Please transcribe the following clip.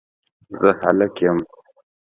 زه هلک یم